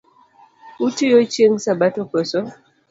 Utiyo chieng’ sabato koso?